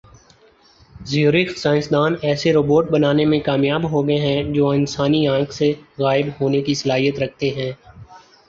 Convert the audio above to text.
Zurich science دان ایسے robot بنانے میں کامیاب ہوگئے ہیں جو انسانی آنکھ سے غائب ہونے کی صلاحیت رکھتے ہیں